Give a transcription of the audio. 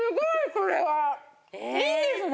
これは。いいんですね！？